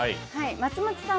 松本さん